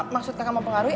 maksud kakak mau pengaruhi